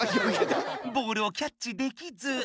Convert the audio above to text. ボールをキャッチできず。